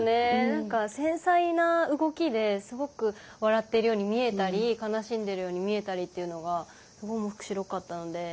何か繊細な動きですごく笑っているように見えたり悲しんでいるように見えたりっていうのがすごい面白かったので。